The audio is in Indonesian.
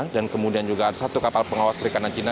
dan kemudian juga ada satu kapal pengawas perikanan cina